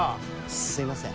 すいません。